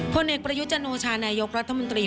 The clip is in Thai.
พ่อเนกประยุจนูชานายกรัฐมนตรี